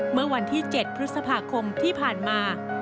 เมื่อวันที่๗พฤษภาคมที่ผ่านมา